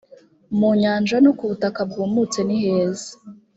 mu nyanja no ku butaka bwumutse niheza